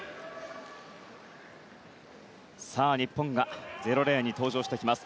日本が０レーンに登場してきます。